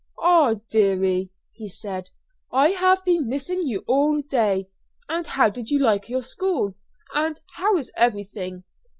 "Ah, deary!" he said, "I have been missing you all day. And how did you like your school? And how is everything?"